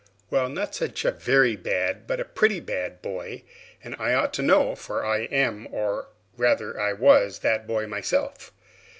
Well, not such a very bad, but a pretty bad boy; and I ought to know, for I am, or rather I was, that boy myself.